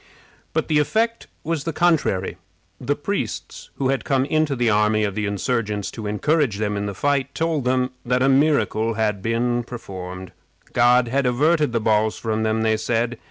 But the effect was the contrary. The priests, who had come into the army of the insurgents to encourage them in the fight, told them that a miracle had been performed. God had averted the balls from them, they said.